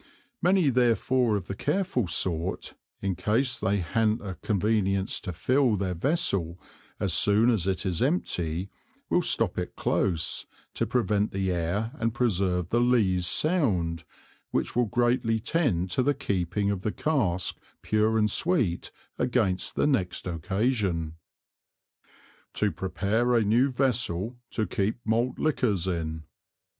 Many therefore of the careful sort, in case they han't a Convenience to fill their Vessel as soon as it is empty, will stop it close, to prevent the Air and preserve the Lees sound, which will greatly tend to the keeping of the Cask pure and sweet against the next Occasion. To prepare a new Vessel to keep Malt Liquors in.